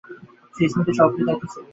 তিনি স্মিথের সহকারীর দায়িত্বে ছিলেন।